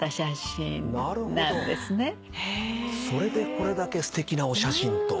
それでこれだけすてきなお写真と。